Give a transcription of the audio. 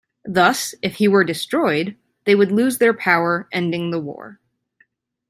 Thus, if he were destroyed, they would lose their power, ending the war.